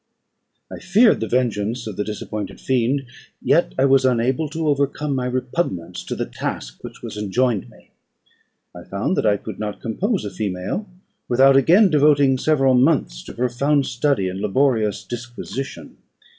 I feared the vengeance of the disappointed fiend, yet I was unable to overcome my repugnance to the task which was enjoined me. I found that I could not compose a female without again devoting several months to profound study and laborious disquisition.